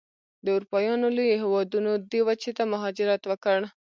د اروپایانو لویو هېوادونو دې وچې ته مهاجرت وکړ.